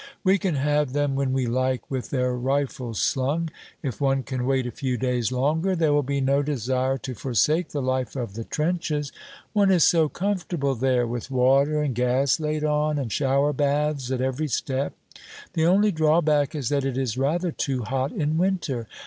We can have them when we like, with their rifles slung. If one can wait a few days longer, there will be no desire to forsake the life of the trenches. One is so comfortable there, with water and gas laid on, and shower baths at every step. The only drawback is that it is rather too hot in winter.